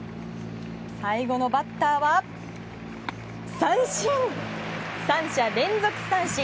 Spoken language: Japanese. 最後のバッターは三振！